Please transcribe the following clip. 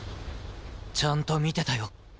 ちゃんと見てたよ。